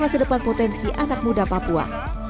masa depan potensi anak muda papua